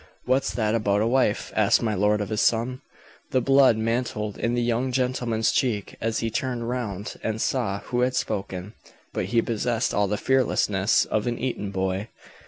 "What's that about a wife?" asked my lord of his son. The blood mantled in the young gentleman's cheek as he turned round and saw who had spoken, but he possessed all the fearlessness of an Eton boy.